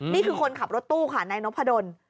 นี่คือคนขับรถตู้ค่ะนายนพดล